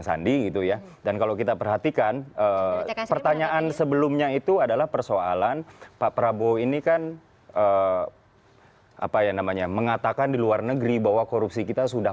saya harus mengatakan bahwa